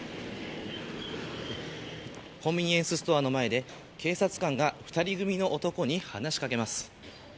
コンビニエンスストアの前で警察官が２人組の男に話し掛けます。